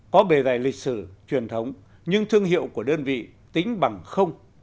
có bề dày lịch sử truyền thống nhưng thương hiệu của đơn vị tính bằng không